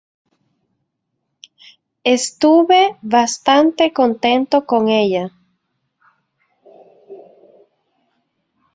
Estuve bastante contento con ella.